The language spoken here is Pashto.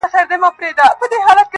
څه لېونۍ شاني گناه مي په سجده کي وکړه.